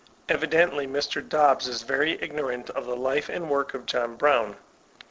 ^ Evidently Mr. Dobbs is very ignorant of the life and work of John Brown.